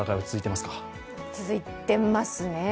続いていますね。